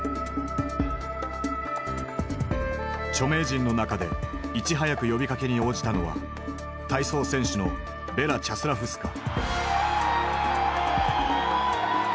著名人の中でいち早く呼びかけに応じたのは体操選手のベラ・チャスラフスカ。